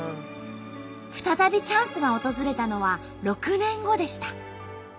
再びチャンスが訪れたのは６年後でした。